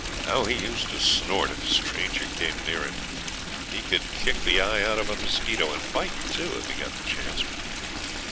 How he used to snort if a stranger came near him! He could kick the eye out of a mosquito, and bite too, if he got the chance.